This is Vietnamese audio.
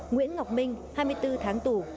nguyễn ngọc minh hai mươi bốn tháng tù